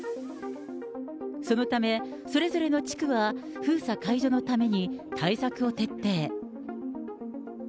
そのため、それぞれの地区は封鎖解除のために対策を徹底。